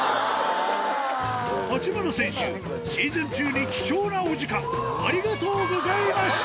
八村選手、シーズン中に貴重なお時間、ありがとうございました。